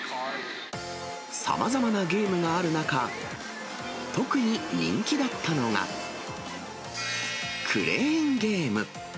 さまざまなゲームがある中、特に人気だったのが、クレーンゲーム。